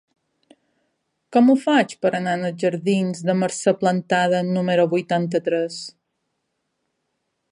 Com ho faig per anar als jardins de Mercè Plantada número vuitanta-tres?